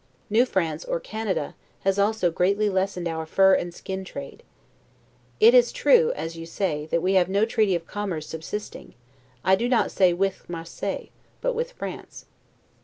New France, or Canada, has also greatly lessened our fur and skin trade. It is true (as you say) that we have no treaty of commerce subsisting (I do not say WITH MARSEILLES) but with France.